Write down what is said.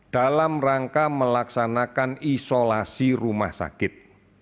dalam rangka melaksanakan isolasi rumah sakit